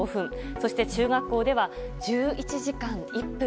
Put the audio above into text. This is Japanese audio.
そして中学校では１１時間１分。